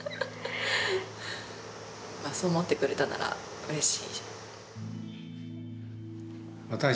そう思ってくれたならうれしい。